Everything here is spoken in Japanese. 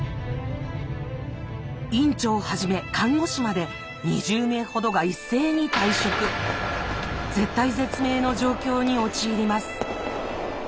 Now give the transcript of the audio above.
院長はじめ看護師まで２０名ほどが絶体絶命の状況に陥ります。